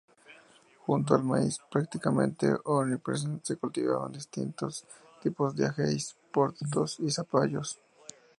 Junto al maíz, prácticamente omnipresente, se cultivaban distintos tipos de ajíes, porotos y zapallos.